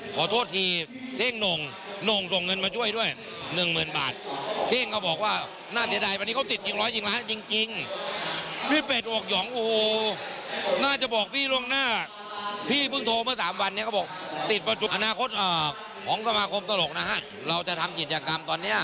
ของสมาคมตลกนะฮะเราจะทำจิตจักรรมตอนเนี้ยอ่า